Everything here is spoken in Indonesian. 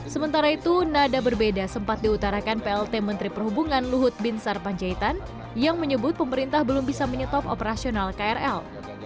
sementara itu nada berbeda sempat diutarakan plt menteri perhubungan luhut bin sarpanjaitan yang menyebut pemerintah belum bisa menyetop operasional krl